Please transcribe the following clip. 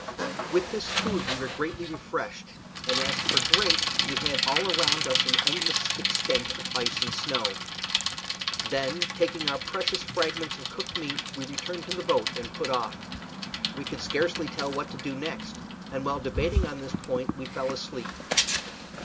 With this food we were greatly refreshed; and as for drink, we had all around us an endless extent of ice and snow. Then, taking our precious fragments of cooked meat, we returned to the boat and put off. We could scarcely tell what to do next, and while debating on this point we fell asleep.